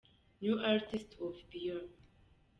New artist of the year: J.